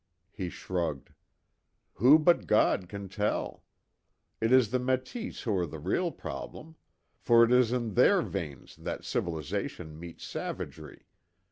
He shrugged, "Who but God can tell? It is the Metis who are the real problem. For it is in their veins that civilization meets savagery.